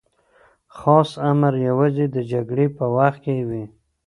خاص امر یوازې د جګړې په وخت کي وي.